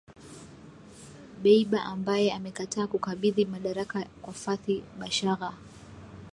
Dbeibah ambaye amekataa kukabidhi madaraka kwa Fathi Bashagha.